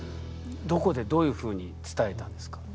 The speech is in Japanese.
どこでどういうふうに伝えたんですか？